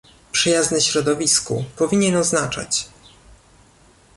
przyjazny środowisku, powinien oznaczać